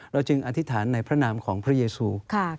จึงอธิษฐานในพระนามของพระเยซู